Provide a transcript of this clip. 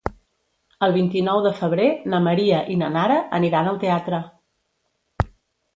El vint-i-nou de febrer na Maria i na Nara aniran al teatre.